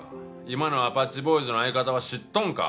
今のアパッチボーイズの相方は知っとんか？